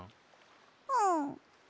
うん。